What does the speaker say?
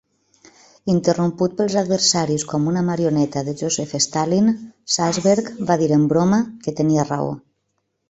Interromput pels adversaris com una marioneta de Joseph Stalin, Salsberg va dir, en broma, que tenia raó.